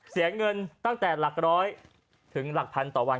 เสียเงินตั้งแต่หลักร้อยถึงหลักพันต่อวัน